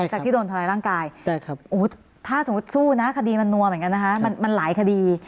จากที่โดนทำร้ายร่างกายถ้าสมมุติสู้นะคดีมันนัวเหมือนกันนะคะมันหลายคดี